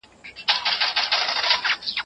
که وطن کي امنیت وي، اقتصاد وده کوي.